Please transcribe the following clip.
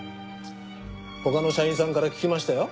他の社員さんから聞きましたよ。